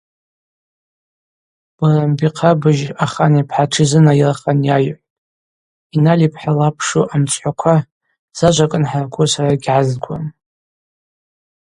Барамби-хъабыжь ахан йпа тшизынайырхан йайхӏвтӏ: – Иналь йпхӏа йлапшу амцхӏваква, зажва кӏынхӏаракву сара йгьгӏазгуам.